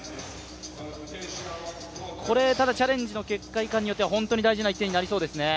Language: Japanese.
チャレンジの結果いかんによっては本当に大事な１点になりそうですね。